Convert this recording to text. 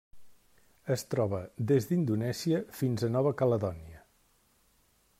Es troba des d'Indonèsia fins a Nova Caledònia.